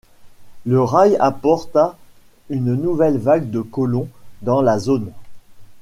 Le rail apporta une nouvelle vague de colons dans la zone.